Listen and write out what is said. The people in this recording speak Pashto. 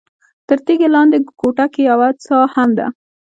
تر تیږې لاندې کوټه کې یوه څاه هم ده.